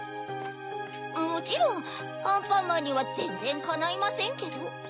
もちろんアンパンマンにはぜんぜんかないませんけど。